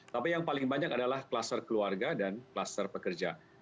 tapi yang paling banyak adalah kluster keluarga dan kluster pekerja